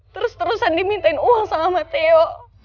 terus terusan dimintain uang sama theo